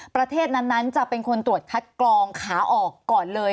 ประเทศนั้นจะเป็นคนตรวจคัดกรองขาออกก่อนเลย